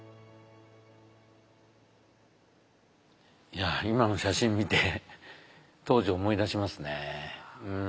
いや今の写真見て当時を思い出しますね。